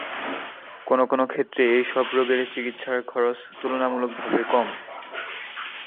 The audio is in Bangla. কোনও কোনও ক্ষেত্রে এইসব রোগের চিকিৎসার খরচ তুলনামূলকভাবে কম।